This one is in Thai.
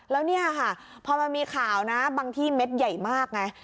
แล้วเนี่ยค่ะพอมันมีข่าวนะบางที่เม็ดใหญ่มากไง